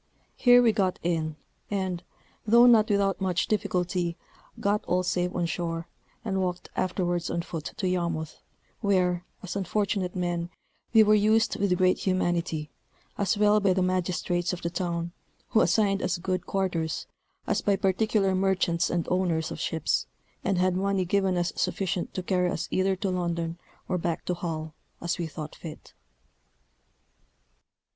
Here we got in, and, though not without much difficulty, got all safe on shore, and walked afterwards on foot to Yarmouth, where, as unfortunate men, we were used with great humanity, as well by the magistrates of the town, who assigned us good quarters, as by particular merchants and owners of ships, and had money given us sufficient to carry us either to London or back to Hull, as we thought fit....